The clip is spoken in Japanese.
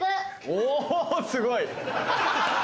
おすごい。